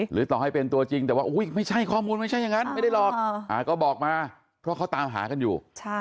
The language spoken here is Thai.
ต่อให้เป็นตัวจริงแต่ว่าไม่ใช่ข้อมูลไม่ใช่อย่างนั้นไม่ได้หลอกก็บอกมาเพราะเขาตามหากันอยู่